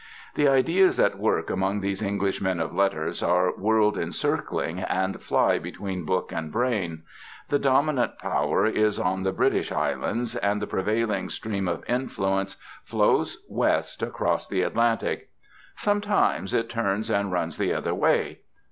The ideas at work among these English men of letters are world encircling and fly between book and brain. The dominant power is on the British Islands, and the prevailing stream of influence flows west across the Atlantic. Sometimes it turns and runs the other way.